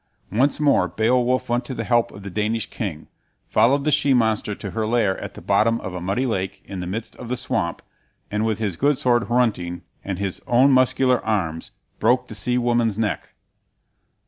Once more Beowulf went to the help of the Danish king, followed the she monster to her lair at the bottom of a muddy lake in the midst of the swamp, and with his good sword Hrunting and his own muscular arms broke the sea woman's neck.